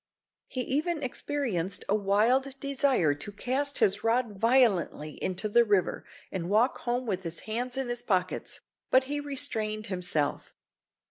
He even experienced a wild desire to cast his rod violently into the river, and walk home with his hands in his pockets; but he restrained himself.